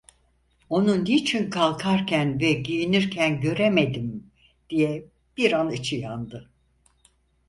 "Onu niçin kalkarken ve giyinirken göremedim?" diye bir an içi yandı.